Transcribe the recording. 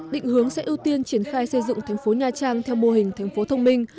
định hướng sẽ ưu tiên triển khai xây dựng thành phố nha trang theo mô hình thành phố thông minh